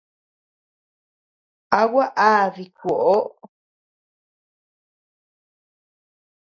¿A gua á dikuoʼo?